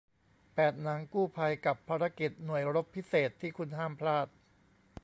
แปด หนังกู้ภัย กับภารกิจหน่วยรบพิเศษที่คุณห้ามพลาด